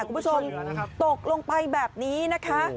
คุณผู้ชมตกลงไปแบบนี้นะคะ